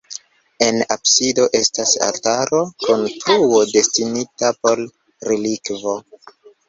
En absido estas altaro kun truo destinita por relikvo.